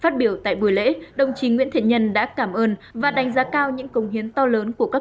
phát biểu tại buổi lễ đồng chí nguyễn thiện nhân đã cảm ơn và đánh giá cao những công hiến to lớn của các